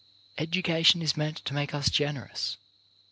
Education is meant to make us gener ous.